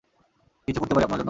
কিছু করতে পারি আপনার জন্য?